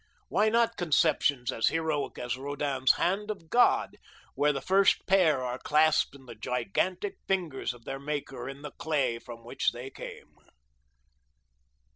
Why not conceptions as heroic as Rodin's Hand of God, where the first pair are clasped in the gigantic fingers of their maker in the clay from which they came?